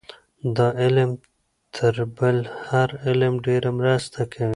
دا علم تر بل هر علم ډېره مرسته کوي.